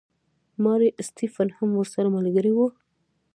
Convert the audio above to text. ماري سټیفن هم ورسره ملګرې وه.